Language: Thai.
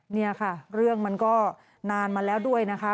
นี่ค่ะเรื่องมันก็นานมาแล้วด้วยนะคะ